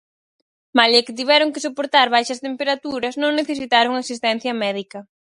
Malia que tiveron que soportar baixas temperaturas, non necesitaron asistencia médica.